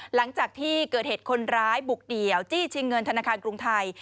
หลังจากที่เกิดเหตุคนร้ายบุกเดี่ยวจี้ชิงเงินธนาคารกรุงไทย